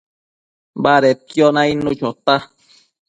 badedquio nainnu chota